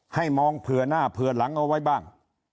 ให้มองเผื่อหน้าเผื่อหลังเอาไว้บ้าง